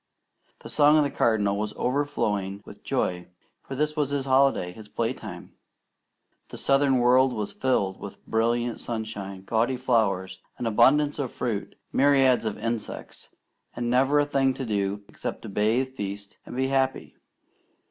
The song of the Cardinal was overflowing with joy, for this was his holiday, his playtime. The southern world was filled with brilliant sunshine, gaudy flowers, an abundance of fruit, myriads of insects, and never a thing to do except to bathe, feast, and be happy.